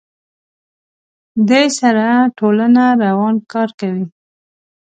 دې سره ټولنه روان کار کوي.